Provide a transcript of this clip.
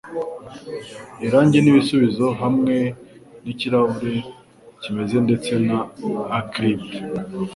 irangi nibisubizo hamwe nikirahure kimeze ndetse na acrid